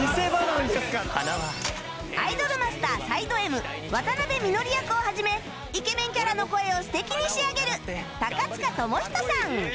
『アイドルマスター ＳｉｄｅＭ』渡辺みのり役を始めイケメンキャラの声を素敵に仕上げる高塚智人さん